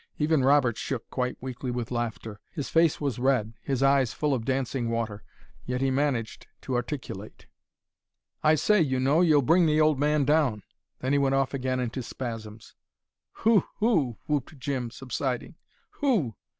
Even Robert shook quite weakly with laughter. His face was red, his eyes full of dancing water. Yet he managed to articulate. "I say, you know, you'll bring the old man down." Then he went off again into spasms. "Hu! Hu!" whooped Jim, subsiding. "Hu!"